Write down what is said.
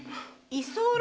居候⁉